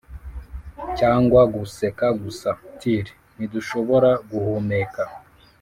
cyangwa guseka gusa 'til ntidushobora guhumeka-